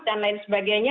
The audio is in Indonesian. dan lain sebagainya